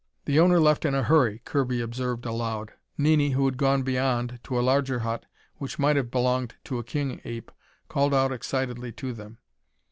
"The owner left in a hurry," Kirby observed aloud. Nini, who had gone beyond, to a larger hut which might have belonged to a king ape, called out excitedly to them.